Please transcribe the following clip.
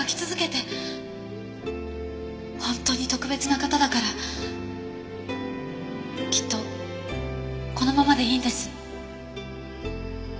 本当に特別な方だからきっとこのままでいいんです。